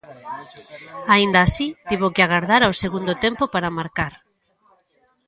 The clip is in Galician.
Aínda así tivo que agardar ao segundo tempo para marcar.